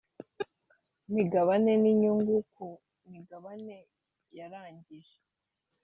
migabane n inyungu ku migabane yarangije